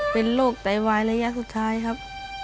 เป็นโรคไตวายระยะสุดท้ายครับ